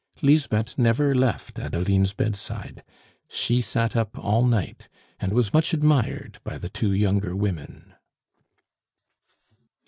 Lisbeth never left Adeline's bedside; she sat up all night, and was much admired by the two younger women.